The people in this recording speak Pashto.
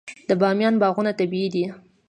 د بامیان باغونه طبیعي دي.